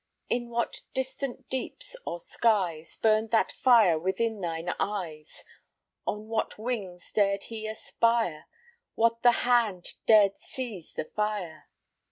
In what distant deeps or skies Burned that fire within thine eyes? On what wings dared he aspire? What the hand dared seize the fire?